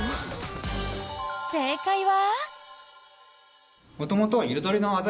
正解は。